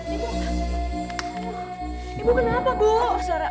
ibu kenapa bu